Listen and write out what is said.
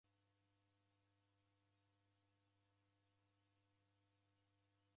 Kafwani koni w'andu w'asaghie w'engi.